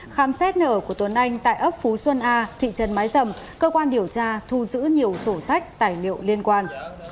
khám xét nở của tuấn anh tại ấp phú xuân a thị trấn mái dầm cơ quan điều tra thu giữ nhiều sổ sách tài liệu liên quan